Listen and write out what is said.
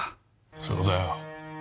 そうだよ！